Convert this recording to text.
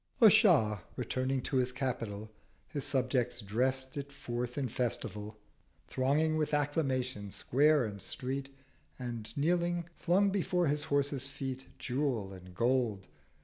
A Shah returning to his Capital, His subjects drest it forth in Festival, Thronging with Acclamation Square and Street, And kneeling flung before his Horse's feet 480 Jewel and Gold.